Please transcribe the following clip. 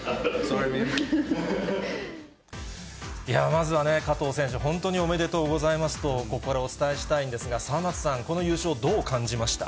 まずはね、加藤選手、本当におめでとうございますと、お伝えしたいんですが、沢松さん、この優勝、どう感じました？